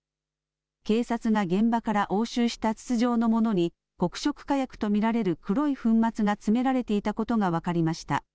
警察が現場から押収した筒状のものに黒色火薬と見られる黒い粉末が詰められていたことが分かりました。